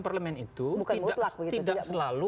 parlement itu tidak selalu